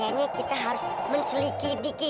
kayaknya kita harus menceli di ki